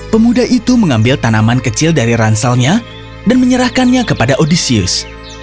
pemuda itu mengambil tanaman kecil dari ranselnya dan menyerahkannya kepada odysius